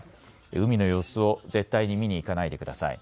海の様子を絶対に見に行かないでください。